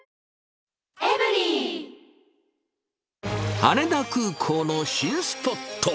羽田空港の新スポット。